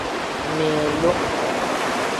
Milu.